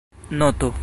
noto